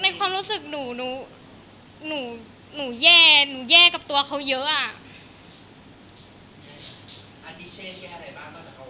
ในความรู้สึกหนูหนูแย่กับตัวเขาเยอะอะ